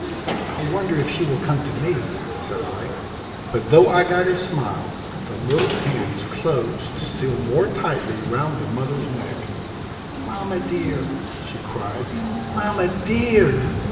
"I wonder if she will come to me?" said I. But though I got a smile, the little hands closed still more tightly round the mother's neck. "Mama dear!" she cried, "mama dear!"